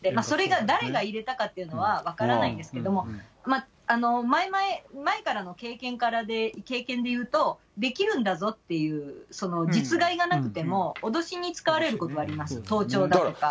それが、誰が入れたかというのは分からないんですけども、前からの経験でいうと、できるんだぞっていう、その、実害がなくても脅しに使われることはあります。